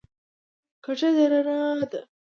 کږه درانه ده.